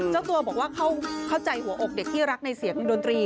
เจ้าตัวบอกว่าเข้าใจหัวอกเด็กที่รักในเสียงดนตรี